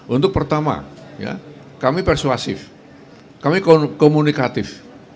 untuk pertama kami persuasif kami komunikatif